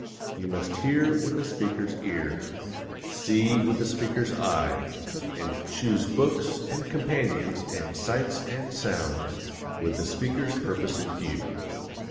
You must hear with the speaker's ear, see with the speaker's eye, and choose books and companions and sights and sounds with the speaker's purpose in view.